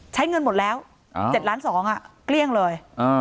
ใช่เงินหมดแล้ว๗๒๐๐๐ก็เกรี่ยงเลย